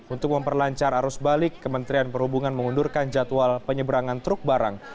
untuk memperlancar arus balik kementerian perhubungan mengundurkan jadwal penyeberangan truk barang